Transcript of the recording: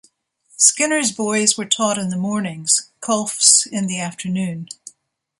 Skinners' boys were taught in the mornings, Colfe's in the afternoons.